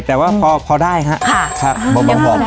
แต่ว่าพอได้ครับ